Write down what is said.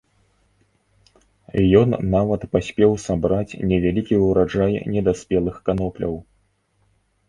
Ён нават паспеў сабраць невялікі ўраджай недаспелых канопляў.